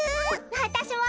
わたしも！